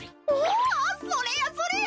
ああそれやそれや。